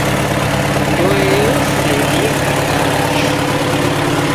Ndoe yose ni ikangarashu.